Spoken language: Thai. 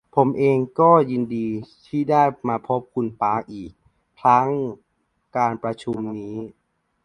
ผมเองก็ยินดีที่ได้มาพบคุณปาร์คอีกครั้งนการประชุมครั้งนี้